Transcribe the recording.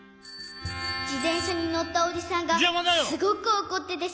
じてんしゃにのったおじさんがすごくおこっててさ。